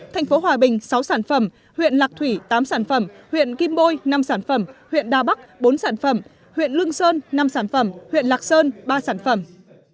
thành phố hòa bình sáu sản phẩm huyện lạc thủy tám sản phẩm huyện kim bôi năm sản phẩm huyện đà bắc bốn sản phẩm huyện lương sơn năm sản phẩm huyện lạc sơn ba sản phẩm